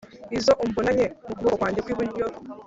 izo umbonanye mu kuboko kwanjye kw’iburyo,